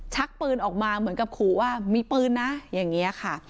ชักปืนออกมาเหมือนกับขู่ว่ามีปืนนะอย่างนี้ค่ะ